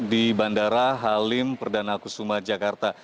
di bandara halim perdana kusuma jakarta